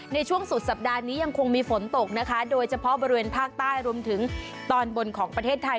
ในช่วงสุดสัปดาห์นี้ยังคงมีฝนตกนะคะโดยเฉพาะบริเวณภาคใต้รวมถึงตอนบนของประเทศไทย